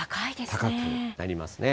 高くなりますね。